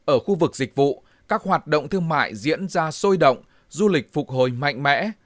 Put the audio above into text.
ở khu vực dịch vụ các hoạt động thương mại diễn ra sôi động du lịch phục hồi mạnh mẽ